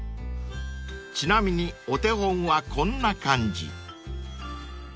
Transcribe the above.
［ちなみにお手本はこんな感じ］